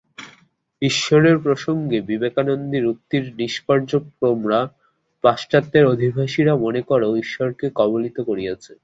ঈশ্বরের প্রসঙ্গে বিবেকানন্দীর উক্তির নিষ্কর্ষ তোমরা পাশ্চাত্যের অধিবাসীরা মনে কর ঈশ্বরকে কবলিত করিয়াছ।